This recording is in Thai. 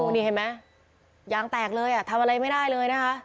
นี่เห็นไหมยางแตกเลยอ่ะทำอะไรไม่ได้เลยนะคะ